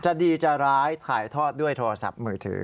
จะดีจะร้ายถ่ายทอดด้วยโทรศัพท์มือถือ